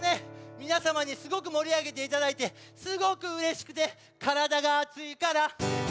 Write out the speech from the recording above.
みなさまにすごくもりあげていただいてすごくうれしくてからだがあついから。